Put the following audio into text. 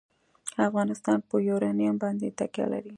افغانستان په یورانیم باندې تکیه لري.